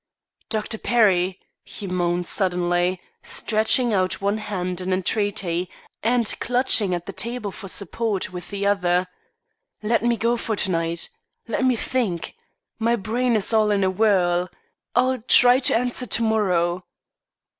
"Dr. Perry," he moaned suddenly, stretching out one hand in entreaty, and clutching at the table for support with the other, "let me go for to night. Let me think. My brain is all in a whirl. I'll try to answer to morrow."